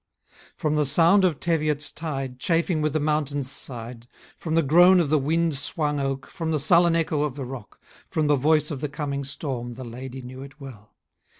From the sound of Teviot's tide. Chafing with the mountain's side, From the groan of the wind swimg oak. From the sullen echo of the rock. From the voice of the coming storm. The Ladye knew it well